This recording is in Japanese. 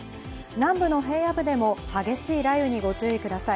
南部の平野部でも激しい雷雨にご注意ください。